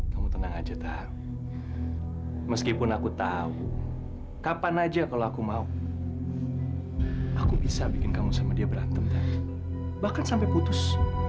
kamu tenang aja tak meskipun aku tahu kapan aja kalau aku mau aku bisa bikin kamu sama dia berantem bahkan sampai putus